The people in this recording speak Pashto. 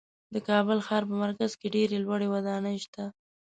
د کابل ښار په مرکز کې ډېرې لوړې ودانۍ شته.